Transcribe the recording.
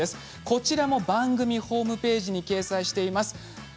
こちらも番組ホームページに掲載しています。